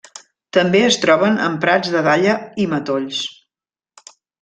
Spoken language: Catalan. També es troben en prats de dalla i matolls.